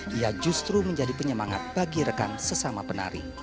dia justru menjadi penyemangat bagi rekan sesama penari